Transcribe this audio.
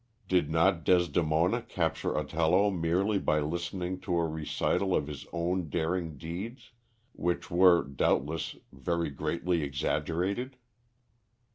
Did not Desdemona capture Othello merely by listening to a recital of his own daring deeds, which were, doubtless, very greatly exaggerated?